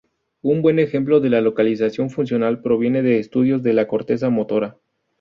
Un buen ejemplo de la localización funcional proviene de estudios de la corteza motora.